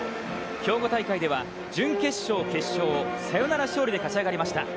兵庫大会では準決勝、決勝、サヨナラ勝利で勝ち上がりました。